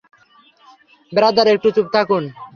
Brother, একটু চুপ থাকুন।